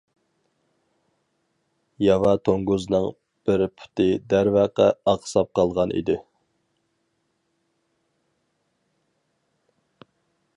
ياۋا توڭگۇزنىڭ بىر پۇتى دەرۋەقە ئاقساپ قالغان ئىدى.